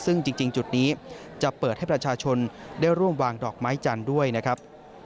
ซึ่งจริงจุดนี้จะเปิดให้ประชาชนได้ร่วมวางดอกไม้จันทร์ด้วยนะครับ